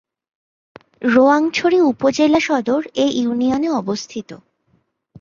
রোয়াংছড়ি উপজেলা সদর এ ইউনিয়নে অবস্থিত।